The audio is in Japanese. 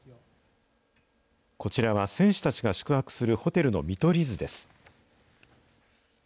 こちらは、選手たちが宿泊するホテルの見取り図です。